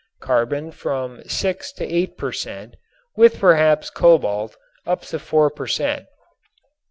carbon from 6 to 8 per cent., with perhaps cobalt up to 4 per cent.